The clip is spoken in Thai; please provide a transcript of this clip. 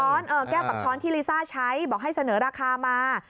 แก้วกับช้อนที่ลิซ่าใช้บอกให้เสนอราคามา